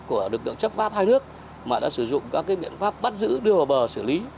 của lực lượng chấp pháp hai nước mà đã sử dụng các biện pháp bắt giữ đưa vào bờ xử lý